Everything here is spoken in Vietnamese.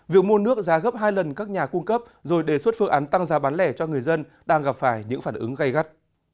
việc mua nước giá gấp hai lần các nhà cung cấp rồi đề xuất phương án tăng giá bán lẻ cho người dân đang gặp phải những phản ứng gây gắt